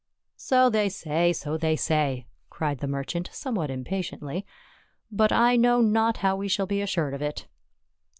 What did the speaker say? "So they say, so they say," cried the merchant, somewhat impatiently. " But I know not how we shall be assured of it."